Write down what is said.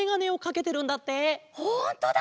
ほんとだ！